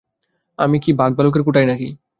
আমি কি বাঘভালুকের কোঠায় না কি?